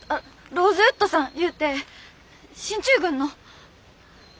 ローズウッドさんいうて進駐軍の。